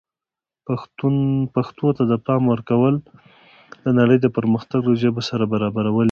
پښتو ته د پام ورکول د نړۍ د پرمختللو ژبو سره برابرول دي.